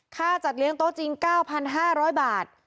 ค่าจัดเลี้ยงโต๊ะจริง๙๕๐๐บาท